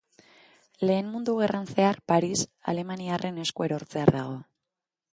Lehen Mundu Gerran zehar Paris alemaniarren esku erortzear dago.